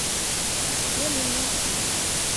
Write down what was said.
Fel nummer.